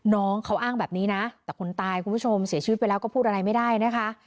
น้องเขาอ้างแบบนี้นะแต่คนตายคุณผู้ชมเสียชีวิตไปแล้วก็พูดอะไรไม่ได้นะคะ